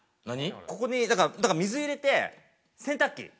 ◆ここに水入れて、洗濯機。